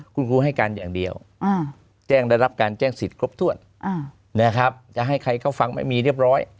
คุณครูให้การอย่างเดียวแจ้งได้รับการแจ้งสิทธิ์ครบถ้วนนะครับจะให้ใครเข้าฟังไม่มีเรียบร้อย